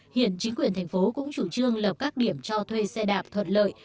hiện chính quyền thành phố cũng chủ trương lập các điểm cho thuê xe đạp thuận lợi